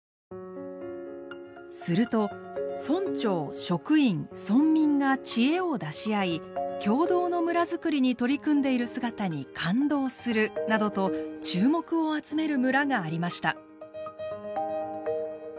すると「村長職員村民が知恵を出し合い協働の村づくりに取り組んでいる姿に感動する」などと注目を集める村がありました。